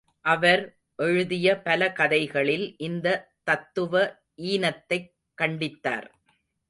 அவர் எழுதிய பல கதைகளில் இந்த தத்துவ ஈனத்தைக் கண்டித்தார்.